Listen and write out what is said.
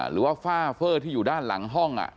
หรือว่าฝ้าเฟอร์ที่อยู่ด้านหลังห้อง